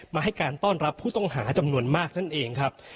ให้การต้อนรับผู้ต้องหาจำนวนมากนั่นเองครับ